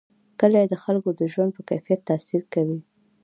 کلي د خلکو د ژوند په کیفیت تاثیر کوي.